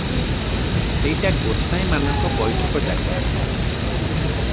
ସେଇଟା ଗୋସାଇଁ ମାନଙ୍କ ବୈଠକଜାଗା ।